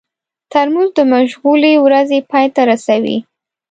ترموز د مشغولې ورځې پای ته رسوي.